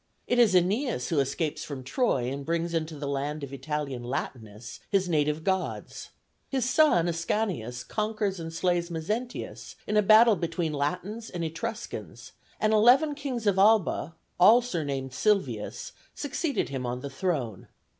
It is Æneas who escapes from Troy and brings into the land of Italian Latinus his native gods. His son Ascanius conquers and slays Mezentius in a battle between Latins and Etruscans, and eleven kings of Alba, all surnamed Silvius, succeeded him on the throne.